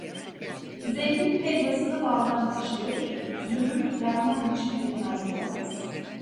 Zengin helvasını baldan pişirir, züğürt derman için pekmez bulamaz.